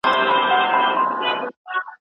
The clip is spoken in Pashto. د هندوستان نجوني لولي بند به دي کړینه